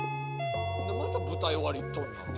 「また舞台終わり行っとんな」